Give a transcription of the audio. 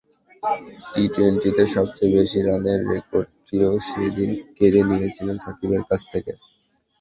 টি-টোয়েন্টিতে সবচেয়ে বেশি রানের রেকর্ডটিও সেদিন কেড়ে নিয়েছেন সাকিবের কাছ থেকে।